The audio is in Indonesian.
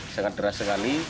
sangat deras sekali